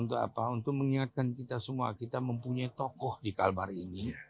untuk apa untuk mengingatkan kita semua kita mempunyai tokoh di kalbar ini